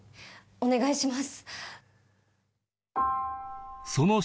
お願いします。